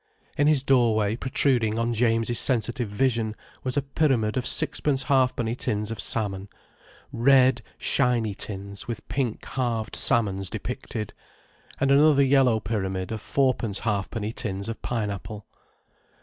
In his doorway, protruding on James' sensitive vision, was a pyramid of sixpence halfpenny tins of salmon, red, shiny tins with pink halved salmons depicted, and another yellow pyramid of four pence halfpenny tins of pineapple.